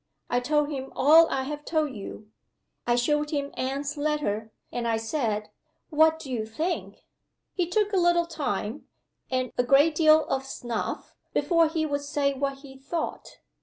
I told him all I have told you. I showed him Anne's letter. And I said, 'What do you think?' He took a little time (and a great deal of snuff) before he would say what he thought.